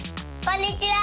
こんにちは。